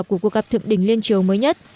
của cuộc gặp thượng đỉnh liên triều mới nhất